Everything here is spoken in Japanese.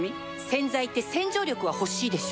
洗剤って洗浄力は欲しいでしょ